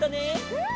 うん！